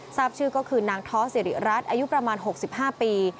ทราบชื่อก็คือนางท้อสิริรัตน์อายุประมาณ๖๕ปี